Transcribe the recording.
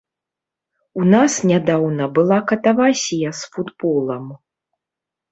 У нас нядаўна была катавасія з футболам.